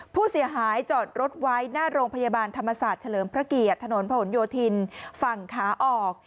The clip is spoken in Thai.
ผู้เสียหายจอดรถไว้หน้าโรงพยาบาลธรรมศาสตร์เฉลิมพระเกียรติถนนผนโยธินฝั่งขาออก